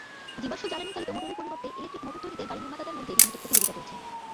জীবাশ্ম জ্বালানিচালিত মোটরের পরিবর্তে ইলেকট্রিক মোটর তৈরিতে গাড়িনির্মাতাদের মধ্যে রীতিমতো প্রতিযোগিতা চলছে।